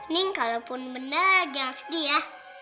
nih kalaupun benar jangan sedih ya